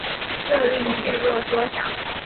这令聚落缩小。